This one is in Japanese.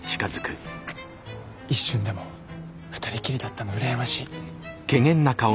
一瞬でも２人きりだったの羨ましい。